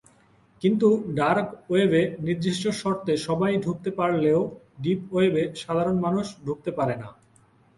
কিন্তু ডার্ক ওয়েবে নির্দিষ্ট শর্তে সবাই ঢুকতে পারলেও, "ডিপ ওয়েব"-এ সাধারণ মানুষ ঢুকতে পারে না।